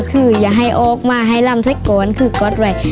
คืออย่าให้ออกมาให้รำแซกก่อนก็กลดเลย